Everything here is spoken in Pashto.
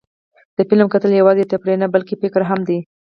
د فلم کتل یوازې تفریح نه، بلکې فکر هم دی.